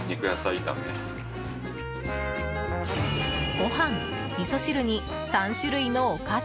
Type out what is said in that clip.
ご飯、みそ汁に３種類のおかず。